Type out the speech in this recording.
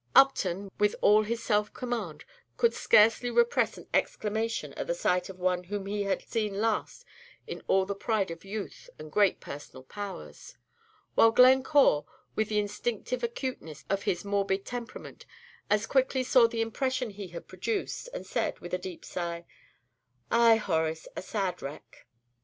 Upton, with all his self command, could scarcely repress an exclamation at the sight of one whom he had seen last in all the pride of youth and great personal powers; while Glencore, with the instinctive acuteness of his morbid temperament, as quickly saw the impression he had produced, and said, with a deep sigh, "Ay, Horace, a sad wreck."